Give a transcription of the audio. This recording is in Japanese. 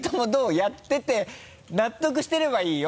やってて納得してればいいよ？